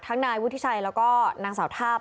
ทั้งนายวุฒิชัยและก็นางสาวทาพ